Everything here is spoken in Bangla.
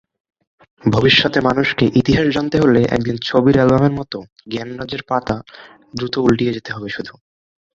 কেউ ডায়রিয়ায় আক্রান্ত হলে তাকে স্বাভাবিক খাবার-দাবার চালিয়ে যেতে হবে এবং শিশুদের মায়ের বুকের দুধ পান করানো অব্যাহত রাখতে হবে।